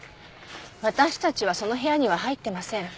私たちはその部屋には入ってません。